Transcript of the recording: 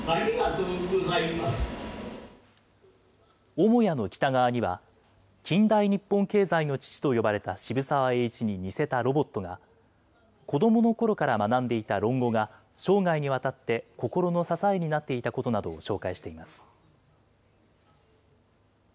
母屋の北側には、近代日本経済の父と呼ばれた渋沢栄一に似せたロボットが、子どものころから学んでいた論語が生涯にわたって心の支えになっていたことなどを紹介しています。